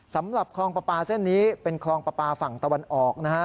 สำหรับคลองปลาปลาเส้นนี้เป็นคลองปลาปลาฝั่งตะวันออกนะฮะ